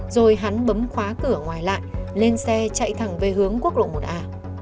rồi hắn bấm khóa cửa ngoài lại lên xe chạy thẳng về hướng quốc lộ một a